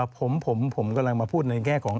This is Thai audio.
ผมกำลังมาพูดในแง่ของ